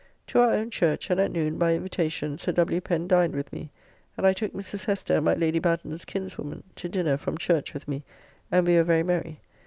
To our own church, and at noon, by invitation, Sir W. Pen dined with me, and I took Mrs. Hester, my Lady Batten's kinswoman, to dinner from church with me, and we were very merry.